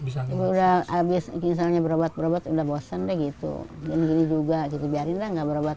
bisa nggak bisa habis misalnya berobat obat udah bosan deh gitu dan juga jadi biarin nggak berobat